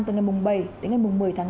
từ ngày bảy đến ngày một mươi tháng năm